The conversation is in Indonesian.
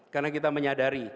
karena kita menyadari